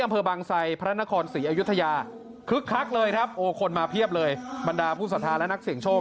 อำเภอบางไซพระนครศรีอยุธยาคึกคักเลยครับโอ้คนมาเพียบเลยบรรดาผู้สัทธาและนักเสียงโชค